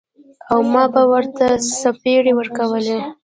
او ما به ورته څپېړې ورکولې.